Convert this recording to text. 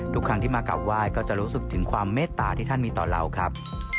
ทุกครั้งที่มากราบไหว้ก็จะรู้สึกถึงความเมตตาที่ท่านมีต่อเราครับ